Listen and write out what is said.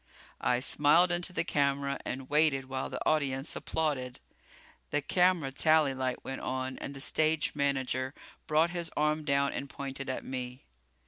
I smiled into the camera and waited while the audience applauded. The camera tally light went on and the stage manager brought his arm down and pointed at me.